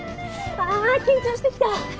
あ緊張してきた。